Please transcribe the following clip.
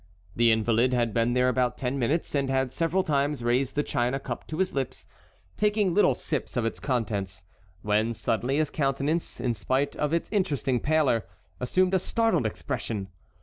The invalid had been there about ten minutes and had several times raised the china cup to his lips, taking little sips of its contents, when suddenly his countenance, in spite of its interesting pallor, assumed a startled expression.